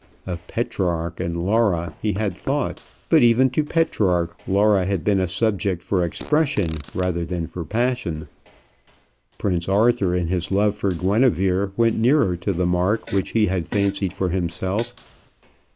Of Petrarch and Laura he had thought; but even to Petrarch Laura had been a subject for expression rather than for passion. Prince Arthur, in his love for Guinevere, went nearer to the mark which he had fancied for himself.